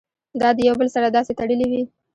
دا د يو بل سره داسې تړلي وي